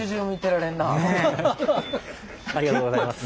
ありがとうございます。